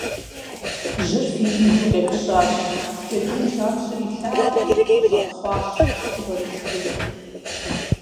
Жьыр фиижу къепщащ, джэдум жьапщэр илъагъури, щӀэпхъуащ, дзыгъуэр ишхыну.